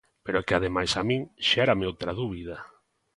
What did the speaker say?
Pero é que ademais a min xérame outra dúbida.